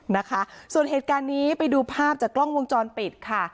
นะคะส่วนเหตุการณ์นี้ไปดูภาพจากกล้องวงจรปิดค่ะ